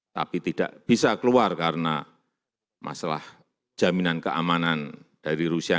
tapi tidak bisa keluar karena masalah jaminan keamanan dari rusia